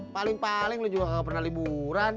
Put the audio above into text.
paling paling lu juga gak pernah liburan